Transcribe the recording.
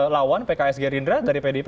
lawan pks gerindra dari pdip